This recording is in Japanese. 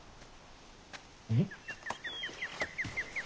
うん？